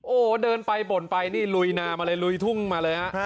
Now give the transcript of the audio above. โอ้โหเดินไปบ่นไปนี่ลุยนามาเลยลุยทุ่งมาเลยฮะ